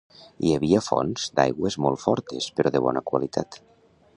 Hi havia fonts d'aigües molt fortes, però de bona qualitat.